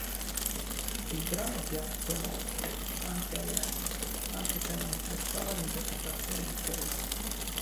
Il brano piacque molto anche a Lennon, anche se non apprezzava l'interpretazione di Paul.